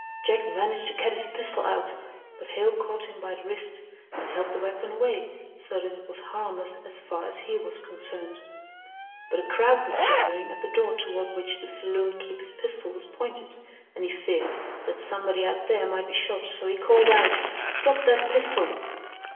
Jack managed to get his pistol out; but Hale caught him by the wrist and held the weapon away so that it was harmless as far as he was concerned; but a crowd was gathering at the door toward which the saloon keeper's pistol was pointed, and he feared that somebody out there might be shot; so he called out: "Drop that pistol!"